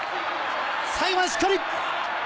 最後までしっかり。